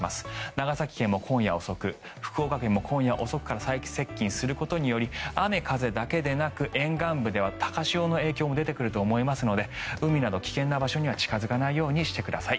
長崎県も今夜遅く福岡県も今夜遅くから最接近することにより雨風だけでなく、沿岸部では高潮の影響も出てくると思いますので海など危険な場所には近付かないようにしてください。